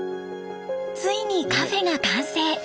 ついにカフェが完成！